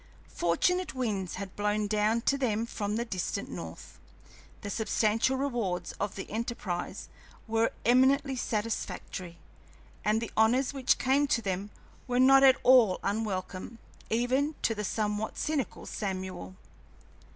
Fortunate winds had blown down to them from the distant north; the substantial rewards of the enterprise were eminently satisfactory, and the honors which came to them were not at all unwelcome even to the somewhat cynical Samuel.